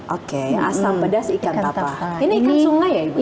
oke asam pedas ikan tapa ini ikan sungai ya ibu